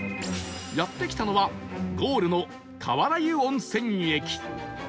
やって来たのはゴールの川原湯温泉駅